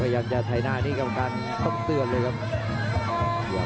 พยายามจะถ่ายหน้านี่กรรมการต้องเตือนเลยครับ